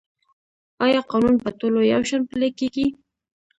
آیا قانون په ټولو یو شان پلی کیږي؟